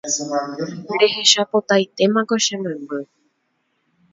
Rehechapotaitémako che memby